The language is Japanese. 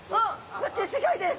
こっちすギョいです！